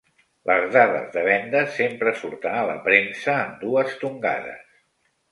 Les dades de vendes sempre surten a la premsa en dues tongades.